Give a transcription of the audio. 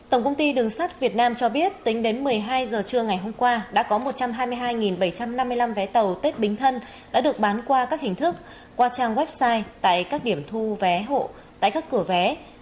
tổng công ty đường sắt việt nam cho biết tính đến một mươi hai h trưa ngày hôm qua đã có một trăm hai mươi hai bảy trăm năm mươi năm vé tàu tết bính thân đã được bán qua các hình thức qua trang website tại các điểm thu vé hộ tại các cửa vé